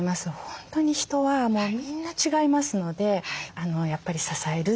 本当に人はみんな違いますのでやっぱり支える。